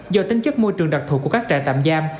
do tính chất môi trường đặc thù của các trại tạm giam